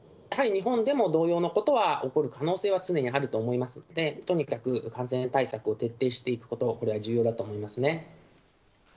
やはり日本でも同様のことは起こる可能性は常にあると思いますので、とにかく感染対策を徹底していくこと、これが重要だと思いますね。